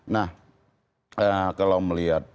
nah kalau melihat ininya